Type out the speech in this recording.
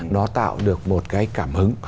nó tạo được một cái cảm hứng